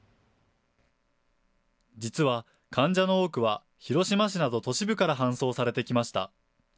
実は、患者の多くは広島市など、都市部から搬送されてきました。